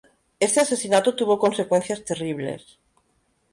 Este asesinato tuvo consecuencias terribles.